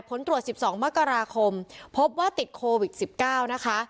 ผลตรวจ๑๒มกราคมพบว่าติดโควิด๑๙นะคะ